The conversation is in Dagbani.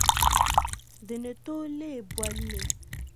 Di ni tooi leei bolli.